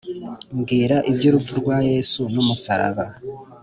Mbwira ib’urupfu rwa yesu n’umusaraba